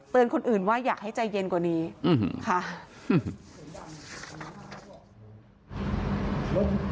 คนอื่นว่าอยากให้ใจเย็นกว่านี้ค่ะ